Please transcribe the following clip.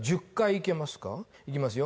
いきますよ